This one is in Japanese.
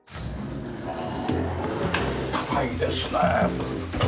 高いですね。